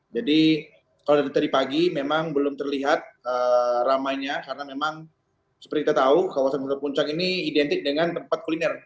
jadi kalau dari pagi memang belum terlihat ramainya karena memang seperti kita tahu kawasan puncak ini identik dengan tempat kuliner